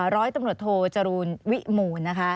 ร้อยตำรวจโทจรูลวิมูลนะคะ